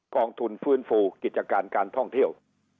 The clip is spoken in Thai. กองทุนฟื้นฟูกิจการการท่องเที่ยว